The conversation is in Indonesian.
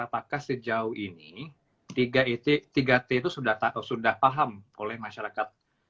apakah sejauh ini tiga t itu sudah paham oleh masyarakat